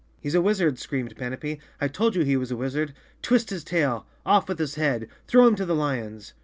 "He's a wizard!" screamed Panapee. "I told you he was a wizard! Twist his tail; off with his head; throw him to the lions!"